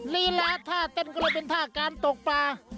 ลีลาท่าเต้นก็เลยเป็นท่าการตกปลา